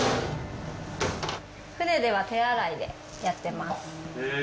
船では手洗いでやってます。